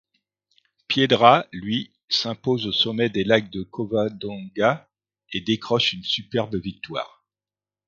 Piedra, lui, s'impose au sommet des Lacs de Covadonga et décroche une superbe victoire.